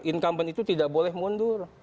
incumbent itu tidak boleh mundur